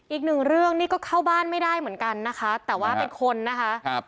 อีกหนึ่งเรื่องนี่ก็เข้าบ้านไม่ได้เหมือนกันนะคะแต่ว่าเป็นคนนะคะครับ